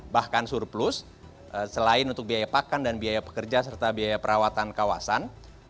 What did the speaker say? bahkan surplus selain untuk biaya pakan dan biaya pekerja serta biaya perawatan kawasan